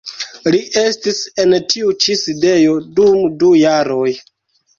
Li estis en tiu ĉi sidejo dum du jaroj.